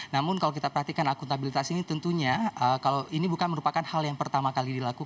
namun kalau kita perhatikan akuntabilitas ini tentunya kalau ini bukan merupakan hal yang pertama kali dilakukan